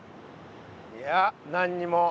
いや何にも。